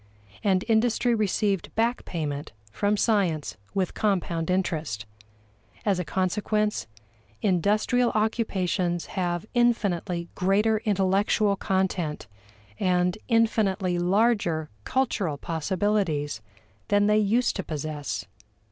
And industry received back payment from science with compound interest. As a consequence, industrial occupations have infinitely greater intellectual content and infinitely larger cultural possibilities than they used to possess.